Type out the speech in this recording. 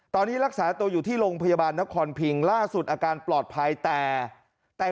ตอนนี้รักษาตัวอยู่ที่โรงพยาบาลนครพิงล่าสุดอาการปลอดภัยแต่แต่